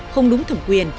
không đúng thẩm quyền